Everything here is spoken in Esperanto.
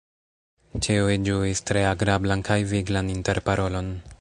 Ĉiuj ĝuis tre agrablan kaj viglan interparolon.